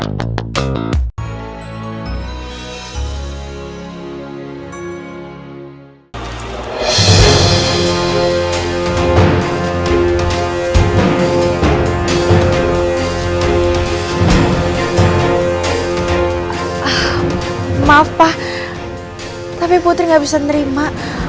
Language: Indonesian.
maaf pak tapi putri gak bisa nerima